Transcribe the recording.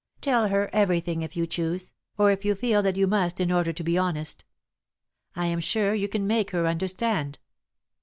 Tell her everything, if you choose, or if you feel that you must in order to be honest. I am sure you can make her understand.